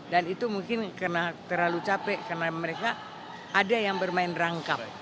dan itu mungkin karena terlalu capek karena mereka ada yang bermain rangkap